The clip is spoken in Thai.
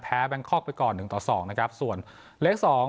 แบงคอกไปก่อนหนึ่งต่อสองนะครับส่วนเลขสอง